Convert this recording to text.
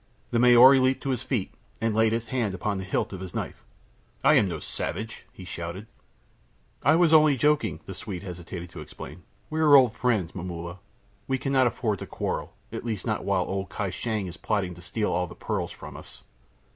The Maori leaped to his feet and laid his hand upon the hilt of his knife. "I am no savage," he shouted. "I was only joking," the Swede hastened to explain. "We are old friends, Momulla; we cannot afford to quarrel, at least not while old Kai Shang is plotting to steal all the pearls from us.